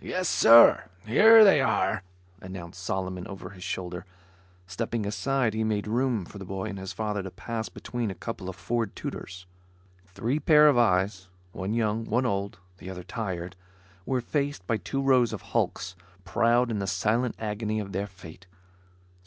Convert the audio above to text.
"Yes, sir, here they are," announced Solomon over his shoulder. Stepping aside he made room for the boy and his father to pass, between a couple of Ford Tudors. Three pair of eyes, one young, one old, the other tired, were faced by two rows of hulks, proud in the silent agony of their fate.